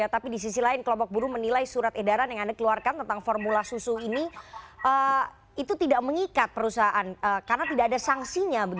tapi di sisi lain kelompok buruh menilai surat edaran yang anda keluarkan tentang formula susu ini itu tidak mengikat perusahaan karena tidak ada sanksinya